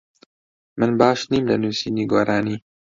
من باش نیم لە نووسینی گۆرانی.